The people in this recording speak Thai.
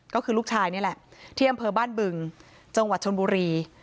ก็คือลูกชายนี่แหละที่อำเภอบ้านบึงจังหวัดชนบุรี